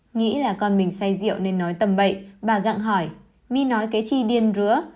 nghĩ là con mình xây diệu nên nói tầm bậy bà gặng hỏi mi nói cái chi điên rứa